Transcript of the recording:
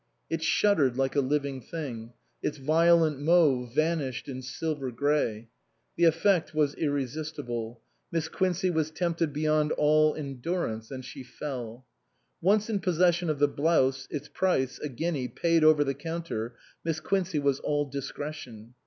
It shuddered like a living thing ; its violent mauve vanished in silver grey. The effect was irresistible. Miss Quincey was tempted beyond all endurance ; and she fell. Once in possession of the blouse, its price, a guinea, paid over the counter, Miss Quincey was all discretion.